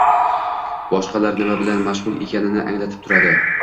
boshqalar nima bilan mashg‘ul ekanini anglatib turadi.